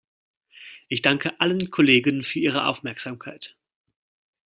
Ich danke allen Kollegen für Ihre Aufmerksamkeit.